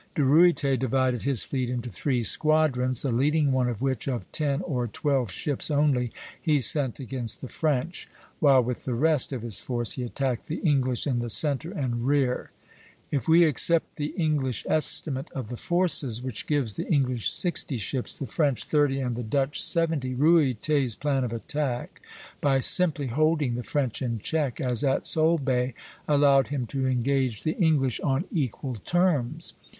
De Ruyter divided his fleet into three squadrons, the leading one of which, of ten or twelve ships only, he sent against the French; while with the rest of his force he attacked the English in the centre and rear (Plate IV., A, A', A''). If we accept the English estimate of the forces, which gives the English sixty ships, the French thirty, and the Dutch seventy, Ruyter's plan of attack, by simply holding the French in check as at Solebay, allowed him to engage the English on equal terms.